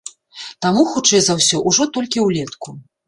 Таму, хутчэй за ўсё, ужо толькі ўлетку.